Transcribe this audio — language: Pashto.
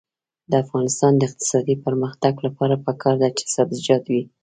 د افغانستان د اقتصادي پرمختګ لپاره پکار ده چې سبزیجات وي.